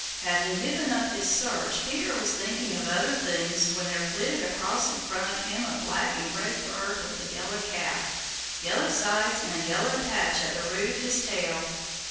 Having given up his search Peter was thinking of other things when there flitted across in front of him a black and gray bird with a yellow cap, yellow sides, and a yellow patch at the root of his tail.